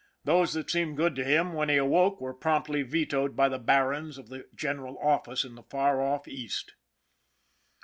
Those that seemed good to him when he awoke were promptly vetoed by the barons of the General Office in the far off East.